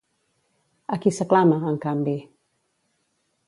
A qui s'aclama, en canvi?